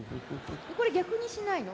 これ逆にしないの？